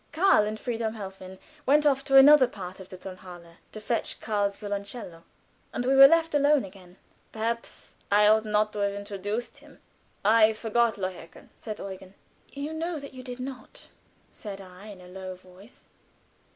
Karl and Friedhelm Helfen went off to another part of the Tonhalle to fetch Karl's violoncello, and we were left alone again. "Perhaps I ought not to have introduced him. I forgot 'Lohengrin,'" said Eugen. "You know that you did not," said I, in a low voice.